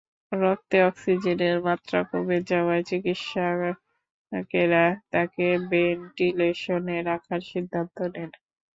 রক্তে অক্সিজেনের মাত্রা কমে যাওয়ায় চিকিৎসকেরা তাঁকে ভেন্টিলেশনে রাখার সিদ্ধান্ত নেন।